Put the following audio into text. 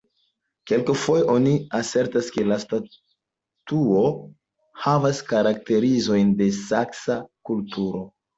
Kelkfoje oni asertas ke la statuo havas karakterizojn de la saksa kulturo.